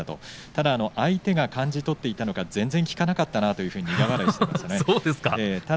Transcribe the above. ただ相手が感じ取っていたから全然効かなかったなと苦笑いしていました。